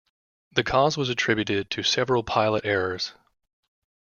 The cause was attributed to several pilot errors.